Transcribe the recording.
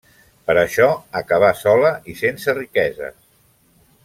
Per això acaba sola i sense riqueses.